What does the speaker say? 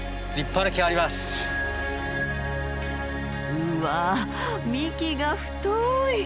うわ幹が太い！